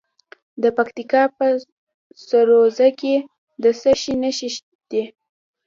د پکتیکا په سروضه کې د څه شي نښې دي؟